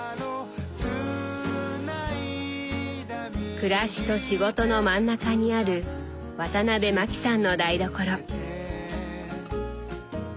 暮らしと仕事の真ん中にあるワタナベマキさんの台所。